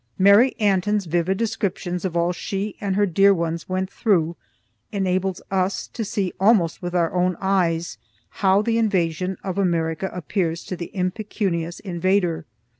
Mary Antin's vivid description of all she and her dear ones went through, enables us to see almost with our own eyes how the invasion of America appears to the impecunious invader.